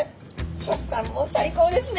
食感も最高ですね！